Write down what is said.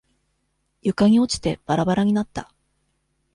床に落ちてバラバラになった。